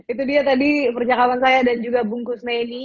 itu dia tadi percakapan saya dan juga bungkus neni